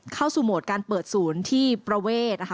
เข้าสู่โมทการเปิดศูนย์ที่ประเวช